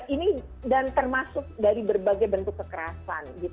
ini dan termasuk dari berbagai bentuk kekerasan